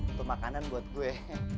untuk makanan buat gue